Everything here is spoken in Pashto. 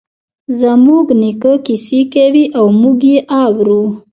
زموږ نیکه کیسې کوی او موږ یی اورو